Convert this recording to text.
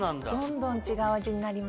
どんどん違う味になります。